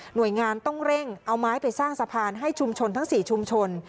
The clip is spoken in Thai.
โดยงานต้องเร่งเอาไม้ไปสร้างสะพานให้ชุมชนทั้ง๔ชุมชน